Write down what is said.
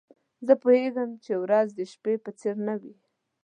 زه پوهیږم چي ورځ د شپې په څېر نه وي.